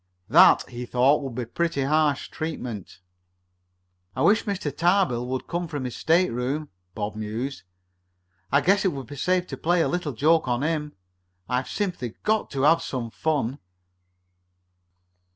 That, he thought, would be pretty harsh treatment. "I wish Mr. Tarbill would come from his stateroom," Bob mused. "I guess it would be safe to play a little joke on him. I've simply got to have some fun."